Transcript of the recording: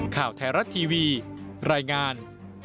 ข่าวไทยรัฐทีวีรายงาน